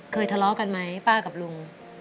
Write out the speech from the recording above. ทะเลาะกันไหมป้ากับลุง